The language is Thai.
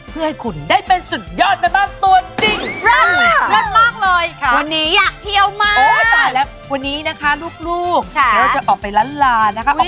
เพื่อให้คุณได้เป็นสุดยอดแม่บ้านตัวจริงครับ